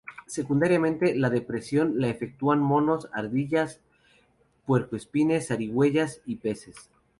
Secundariamente, la dispersión la efectúan monos, ardillas, puercoespines, zarigüeyas y peces.